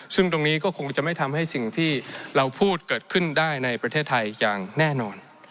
ซึ่งตรงนี้ก็คงจะไม่ทำให้สิ่งที่เราพูดเกิดขึ้นได้ในประเทศไทยอย่างแน่นอน